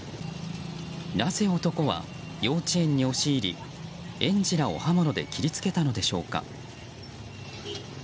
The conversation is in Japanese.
なぜ、男は幼稚園に押し入り園児らを刃物で切り付けたのでしょうか。